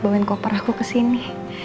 bawain koper aku kesini